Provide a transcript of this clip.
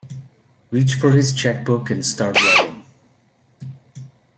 Reach for his cheque-book and start writing.